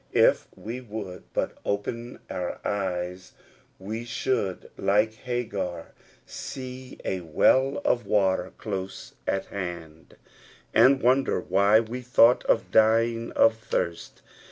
If we would but open our eyes, we should, like Hagar, see a Searching Out the Promise. 1 1 1 well of water close at hand, and wonder why we thought of dying of thirst.